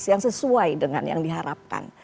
yang sesuai dengan yang diharapkan